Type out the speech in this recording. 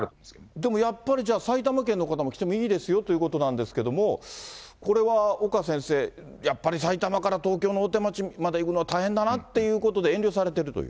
でもやっぱり、埼玉県の方も来ていいですよということなんですけれども、これは岡先生、やっぱり埼玉から東京の大手町まで行くのは大変だなということで、遠慮されてるという。